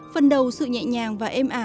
phần đầu sự nhẹ nhàng và êm ả